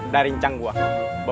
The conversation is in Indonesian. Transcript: dari incang gue